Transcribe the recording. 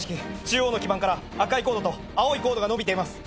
中央の基盤から赤いコードと青いコードがのびています。